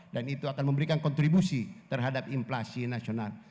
itu akan memberikan kontribusi terhadap inflasi nasional